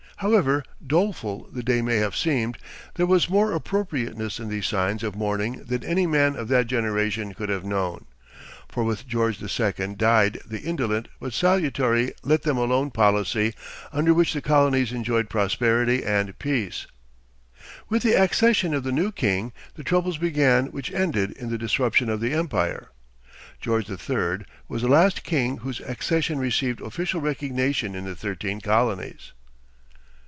However doleful the day may have seemed, there was more appropriateness in these signs of mourning than any man of that generation could have known; for with George II. died the indolent but salutary let them alone policy under which the colonies enjoyed prosperity and peace. With the accession of the new king the troubles began which ended in the disruption of the empire. George III. was the last king whose accession received official recognition in the thirteen colonies.